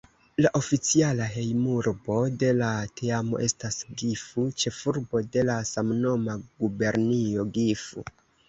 La oficiala hejmurbo de la teamo estas Gifu, ĉefurbo de la samnoma gubernio Gifu.